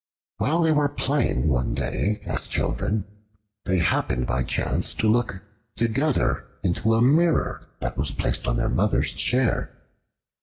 While they were playing one day as children, they happened by chance to look together into a mirror that was placed on their mother's chair.